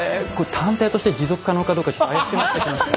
探偵として持続可能かどうかちょっと怪しくなってきました。